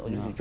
chụp bức ảnh